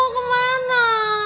ibu mau kemana